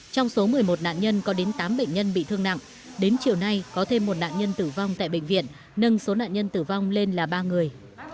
trong số một mươi một nạn nhân có đến tám bệnh nhân bị thương nặng đến chiều nay có thêm một nạn nhân tử vong tại bệnh viện nâng số nạn nhân tử vong lên là ba người